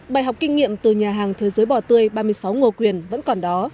bài học kinh nghiệm từ nhà hàng thế giới bò tươi ba mươi sáu ngô quyền vẫn còn đó